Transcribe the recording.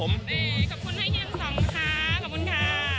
ขอบคุณให้เฮียทั้งสองค่ะขอบคุณค่ะ